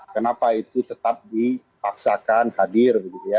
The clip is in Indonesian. kenapa itu tetap dipaksakan hadir